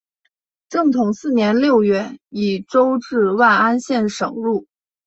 正统四年六月以州治万安县省入。